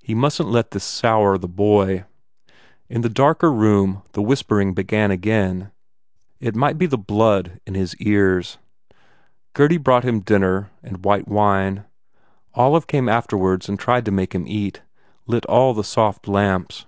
He mustn t let this sour the boy. In the darker room the whispering began again. It might be the blood in his ears. Gurdy brought him up dinner and white wine. Olive came afterwards and tried to make him eat, lit all the soft lamps.